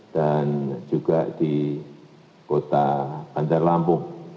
dan juga di kota bandar lampung